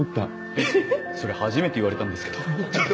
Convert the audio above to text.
えっそれ初めて言われたんですけど。